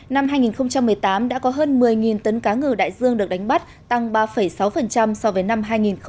năm hai nghìn một mươi tám đã có hơn một mươi tấn cá ngừ đại dương được đánh bắt tăng ba sáu so với năm hai nghìn một mươi bảy